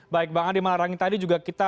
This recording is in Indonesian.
baik bang andi malarangi tadi juga kita